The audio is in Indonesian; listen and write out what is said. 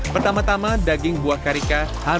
pertama tama daging buah karika